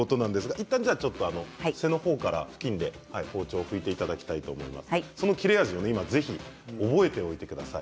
いったん背の方から布巾で包丁を拭いていただきたいと思いますしその切れ味を覚えておいてください。